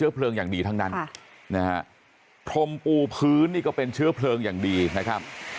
พรมปูพื้นนี่ก็เป็นเชื้อเพลิงอย่างดีนะครับ